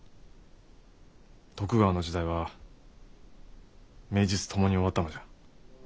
徳川の時代は名実ともに終わったのじゃ。